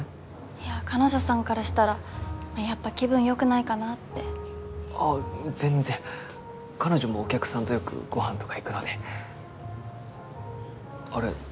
いや彼女さんからしたらやっぱ気分よくないかなってあっ全然彼女もお客さんとよくごはんとか行くのであれ